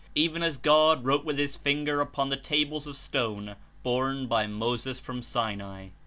even as God wrote with his finger upon the tables of stone borne by Moses from Sinai.